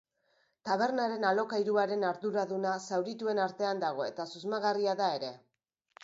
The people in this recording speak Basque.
Tabernaren alokairuaren arduraduna zaurituen artean dago eta susmagarria da ere.